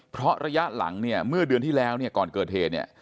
เพราะระยะหลังเนี่ยเมื่อเดือนที่แล้วเนี่ยก่อนเกิดเหตุเนี่ย